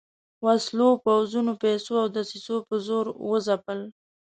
وسلو، پوځونو، پیسو او دسیسو په زور وځپل.